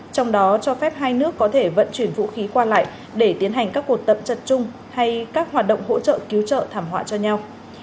trong đó cho phép hai nước có thể vận chuyển vũ khí qua lại để tiến hành các cuộc tập trận chung hay các hoạt động hỗ trợ cứu trợ thảm họa cho nhau